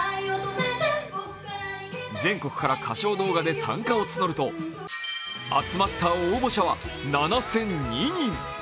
全国から歌唱動画で参加を募ると集まった応募者は７００２人。